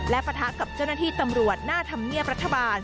และปะทะกับเจ้าหน้าที่ตำรวจหน้าธรรมเนียบรัฐบาล